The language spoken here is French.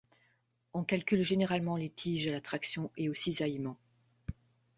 On calcule généralement les tiges à la traction et au cisaillement.